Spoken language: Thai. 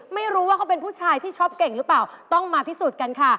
ไม่รู้ว่าเขาเป็นผู้ชายที่ชอบเก่งหรือเปล่าต้องมาพิสูจน์กันค่ะ